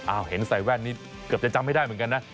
เห็นใส่แว่นนี้เกือบจะจำไม่ได้เหมือนกันนะ